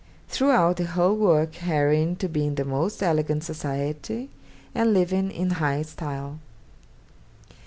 Throughout the whole work heroine to be in the most elegant society, and living in high style.'